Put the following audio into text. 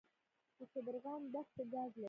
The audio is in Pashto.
د شبرغان دښتې ګاز لري